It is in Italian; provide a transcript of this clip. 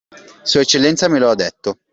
Sua Eccellenza me lo ha detto.